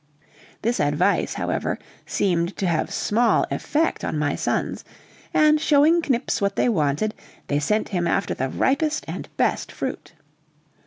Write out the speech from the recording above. This advice, however, seemed to have small effect on my sons, and showing Knips what they wanted, they sent him after the ripest and best fruit.